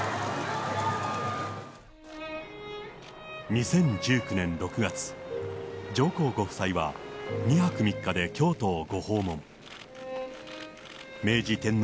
２０１９年６月、上皇ご夫妻は２泊３日で京都をご訪問。